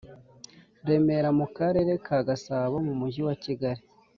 Remera mu Karere ka Gasabo mu Mujyi wa kigali